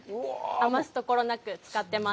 余すところなく使ってます。